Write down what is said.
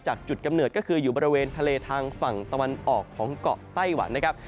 จุดกำเนิดก็คืออยู่บริเวณทะเลทางฝั่งตะวันออกของเกาะไต้หวันนะครับ